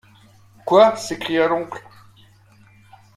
Quoi?... s’écria l’oncle.